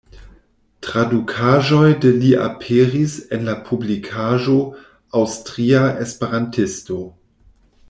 Tradukaĵoj de li aperis en la publikaĵo "Aŭstria Esperantisto".